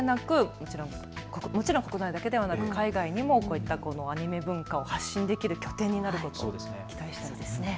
国内だけでなく海外にもアニメ文化を発信できる拠点になることを期待したいですね。